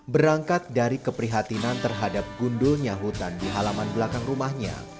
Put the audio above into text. berangkat dari keprihatinan terhadap gundulnya hutan di halaman belakang rumahnya